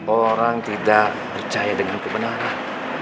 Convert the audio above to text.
orang tidak percaya dengan kebenaran